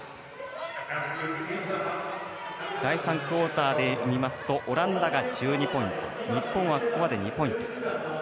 第３クオーターで見ますとオランダが１２ポイント日本はここまで２ポイント。